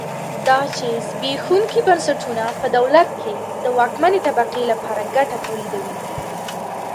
دا چې زبېښونکي بنسټونه په دولت کې د واکمنې طبقې لپاره ګټه تولیدوي.